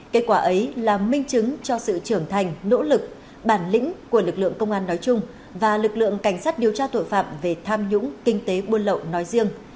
kết quả ấy là minh chứng cho sự trưởng thành nỗ lực bản lĩnh của lực lượng công an nói chung và lực lượng cảnh sát điều tra tội phạm về tham nhũng kinh tế buôn lậu nói riêng